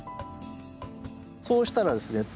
そうしたらですね